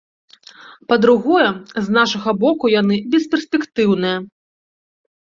Па-другое, з нашага боку яны бесперспектыўныя.